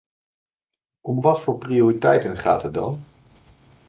Om wat voor prioriteiten gaat het dan?